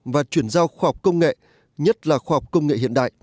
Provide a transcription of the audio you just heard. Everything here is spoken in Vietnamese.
và chuyển giao khoa học công nghệ nhất là khoa học công nghệ hiện đại